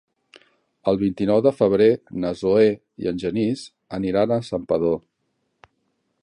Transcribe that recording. El vint-i-nou de febrer na Zoè i en Genís aniran a Santpedor.